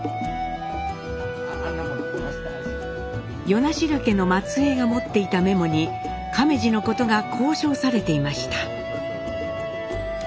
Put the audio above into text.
与那城家の末えいが持っていたメモに亀次のことがこう称されていました。